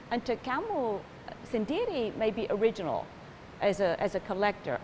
untuk kamu sendiri mungkin orisinil sebagai kolektor